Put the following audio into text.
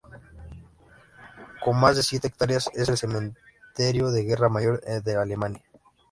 Con más de siete hectáreas es el cementerio de guerra mayor de Alemania.